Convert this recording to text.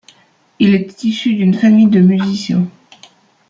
Il est issu d'une famille de musiciens.